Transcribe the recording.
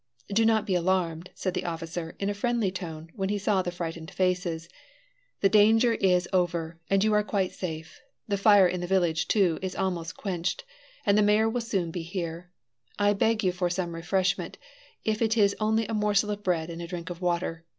"Do not be alarmed," said the officer, in a friendly tone, when he saw the frightened faces; "the danger is over, and you are quite safe. The fire in the village, too, is almost quenched, and the mayor will soon be here. I beg you for some refreshment, if it is only a morsel of bread and a drink of water.